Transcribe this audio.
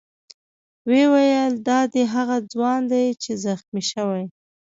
ویې ویل: دا دی هغه ځوان دی چې زخمي شوی.